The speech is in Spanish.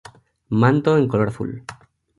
Manto en color azul.